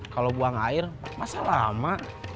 kalau buang air masa lama